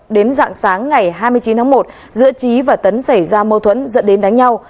đến dạng sáng ngày hai mươi chín tháng một giữa trí và tấn xảy ra mâu thuẫn dẫn đến đánh nhau